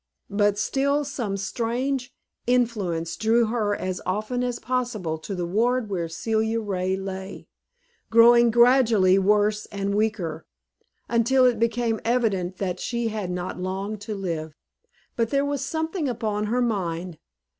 But still some strange influence drew her as often as possible to the ward where Celia Ray lay, growing gradually worse and weaker, until it became evident that she had not long to live. But there was something upon her mind.